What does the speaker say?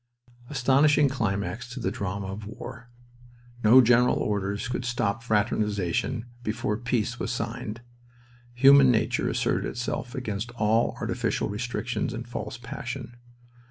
Astonishing climax to the drama of war! No general orders could stop fraternization before peace was signed. Human nature asserted itself against all artificial restrictions and false passion.